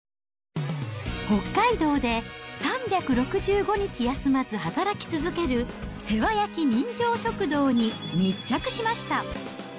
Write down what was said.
北海道で３６５日休まず働き続ける世話焼き人情食堂に密着しました。